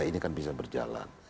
ini kan bisa berjalan